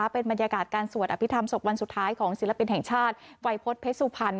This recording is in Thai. เป็นบรรยากาศการสวดอภิษฐรรศพวันสุดท้ายของศิลปินแห่งชาติวัยพฤษเพชรสุพรรณ